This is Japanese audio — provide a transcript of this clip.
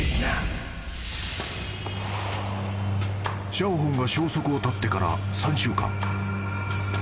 ［シャオホンが消息を絶ってから３週間］